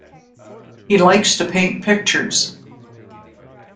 He likes to paint pictures.